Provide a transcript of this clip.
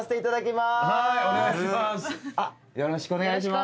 よろしくお願いします。